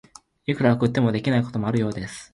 いくら送っても、できないこともあるようです。